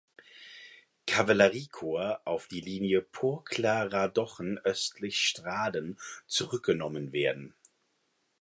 Kavalleriekorps auf die Linie Purkla–Radochen–östlich Straden zurückgenommen werden.